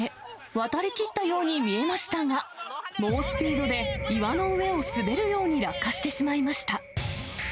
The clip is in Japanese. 渡りきったように見えましたが、猛スピードで岩の上を滑るように落下してしまいました。